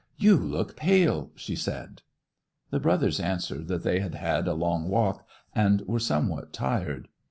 'You look pale,' she said. The brothers answered that they had had a long walk, and were somewhat tired.